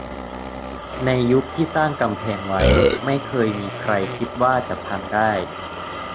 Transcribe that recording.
ในยุคที่สร้างกำแพงไว้ ไม่เคยมีใครคิดว่าจะพังได้